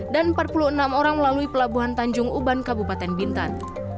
dan empat puluh enam orang melalui pelabuhan tanjung uban kabupaten bintan